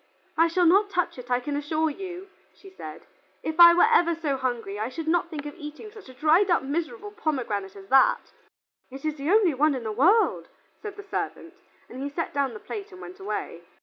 "I shall not touch it, I can assure you," she said. "If I were ever so hungry, I should not think of eating such a dried up miserable pomegranate as that." "It is the only one in the world," said the servant, and he set down the plate and went away.